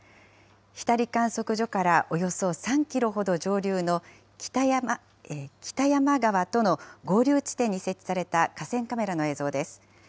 日足観測所からおよそ３キロほど上流の北山川との合流地点に設置された河川カメラの映像です。